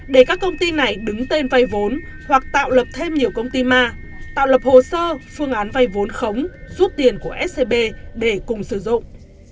để các công ty này đứng tên vay vốn hoặc tạo lập thêm nhiều công ty ma tạo lập hồ sơ phương án vay vốn khống rút tiền của scb để cùng sử dụng